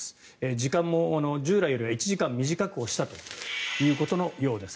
時間も従来より１時間短くしたということのようです。